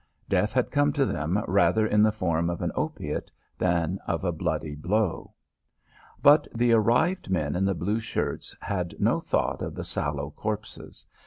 Death had come to them rather in the form of an opiate than of a bloody blow. But the arrived men in the blue shirts had no thought of the sallow corpses.